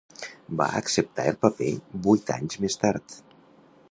Va acceptar el paper vuit anys més tard.